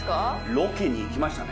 ロケに行きましたね。